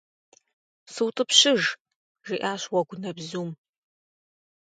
СутӀыпщыж, - жиӀащ Уэгунэбзум.